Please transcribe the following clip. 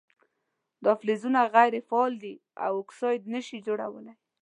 دا فلزونه غیر فعال دي او اکساید نه شي جوړولی.